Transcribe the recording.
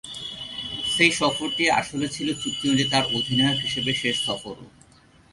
সেই সফরটি আসলে ছিল চুক্তি অনুযায়ী তাঁর অধিনায়ক হিসেবে শেষ সফরও।